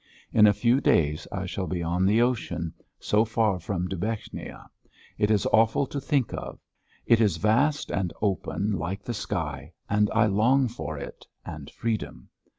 In a few days I shall be on the ocean so far from Dubechnia. It is awful to think of! It is vast and open like the sky and I long for it and freedom.